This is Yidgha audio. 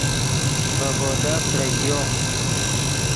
ڤے بودف ترژیو